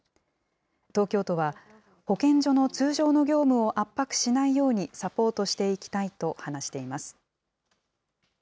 東京都は、保健所の通常の業務を圧迫しないようにサポートしていきたいと話しています。